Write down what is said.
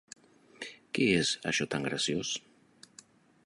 Què és, això tan graciós?